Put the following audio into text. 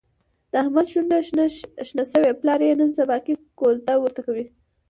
د احمد شونډه شنه شوې، پلار یې نن سباکې کوزده ورته کوي.